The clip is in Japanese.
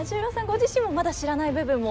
ご自身もまだ知らない部分も？